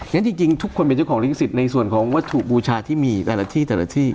งั้นจริงทุกคนเป็นเจ้าของลิขสิทธิ์ในส่วนของวัตถุบูชาที่มีแต่ละที่แต่ละที่